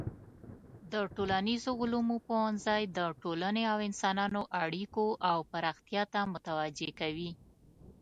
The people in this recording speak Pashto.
د ټولنیزو علومو پوهنځی د ټولنې او انسانانو اړیکو او پراختیا ته توجه کوي.